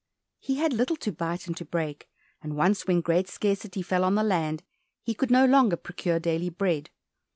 He had little to bite and to break, and once when great scarcity fell on the land, he could no longer procure daily bread.